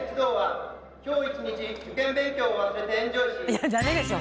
いやダメでしょ。